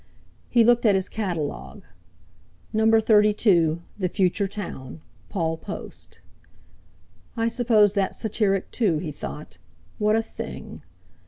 He looked at his catalogue: "No. 32 'The Future Town'—Paul Post." 'I suppose that's satiric too,' he thought. 'What a thing!'